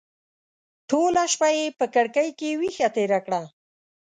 ټوله شپه یې په کړکۍ کې ویښه تېره کړه.